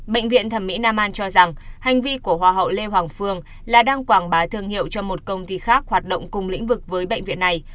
bệnh viện thẩm mỹ nam an cho rằng hành vi của hoa hậu lê hoàng phương là đang quảng bá thương hiệu cho một công ty khác hoạt động cùng lĩnh vực với bệnh viện này